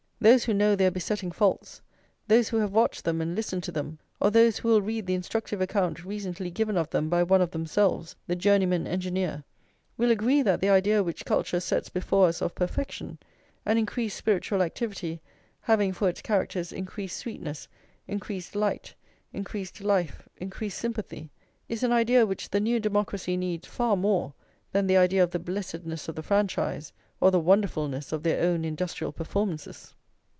Those who know their besetting faults, those who have watched them and listened to them, or those who will read the instructive account recently given of them by one of themselves, the Journeyman Engineer, will agree that the idea which culture sets before us of perfection, an increased spiritual activity, having for its characters increased sweetness, increased light, increased life, increased sympathy, is an idea which the new democracy needs far more than the idea of the blessedness of the franchise, or the wonderfulness of their own industrial performances.